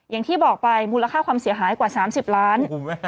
อย่างที่บอกไปมูลค่าความเสียหายกว่า๓๐ล้าน